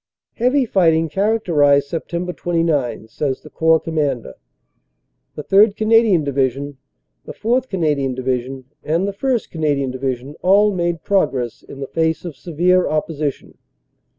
"Heavy fighting characterized Sept. 29," says the Corps Commander. "The 3rd. Canadian Division, the 4th. Cana dian Division, and the 1st. Canadian Division all made pro gress in the face of severe opposition.